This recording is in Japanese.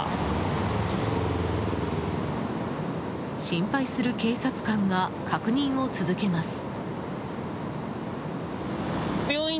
心配する警察官が確認を続けます。